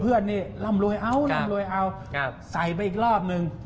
เพื่อนนี่ลำรวยเอาใส่ไปอีกรอบนึง